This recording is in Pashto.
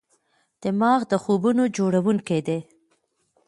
دماغ د خوبونو جوړونکی دی.